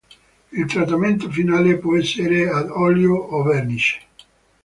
Il trattamento finale può essere ad olio o vernice.